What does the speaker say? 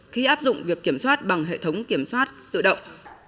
khi áp dụng việc kiểm soát bằng hệ thống kiểm soát tự động